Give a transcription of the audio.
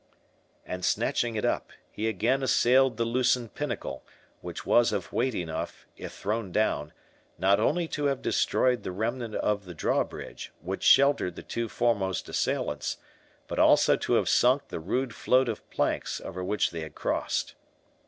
And, snatching it up, he again assailed the loosened pinnacle, which was of weight enough, if thrown down, not only to have destroyed the remnant of the drawbridge, which sheltered the two foremost assailants, but also to have sunk the rude float of planks over which they had crossed.